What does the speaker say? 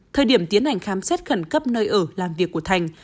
thời điểm tiến hành khám xét khẩn cấp nơi ở làm việc của thành